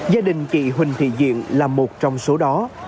gia đình chị huỳnh thị diện là một trong số đó